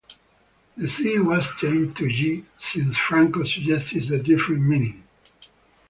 The C was changed to a G since Franco suggested a different meaning.